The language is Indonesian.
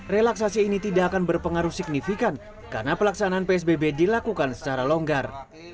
relaksasi ini tidak akan berpengaruh signifikan karena pelaksanaan psbb dilakukan secara longgar